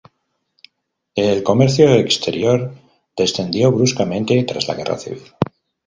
El comercio exterior descendió bruscamente tras la guerra civil.